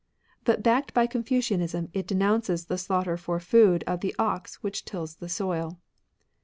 But backed by Confucianism it denounces the slaugh ter for food of the ox which tills the soil.